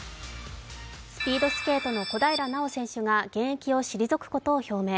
スピードスケートの小平奈緒選手が現役を退くことを表明。